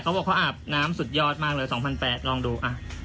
เขาบอกเขาอาบน้ำสุดยอดมากเลย๒๘๐๐ลองดู